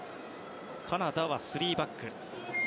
カナダは３バック。